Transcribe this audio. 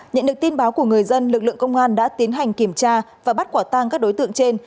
nhận được tin báo của người dân lực lượng công an đã tiến hành kiểm tra và bắt quả tang các đối tượng trên